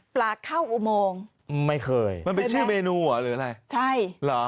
เข้าอุโมงไม่เคยมันเป็นชื่อเมนูเหรอหรืออะไรใช่เหรอ